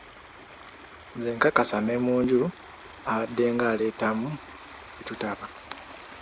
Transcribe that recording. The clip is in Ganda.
Nze nkakasa ne mu nju abaddenga abaleetamu we tutaba.